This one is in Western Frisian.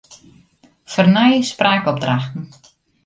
Fernij spraakopdrachten.